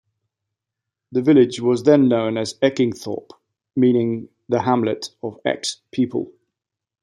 The village was then known as Eckingthorp, meaning 'The hamlet of Eck's people'.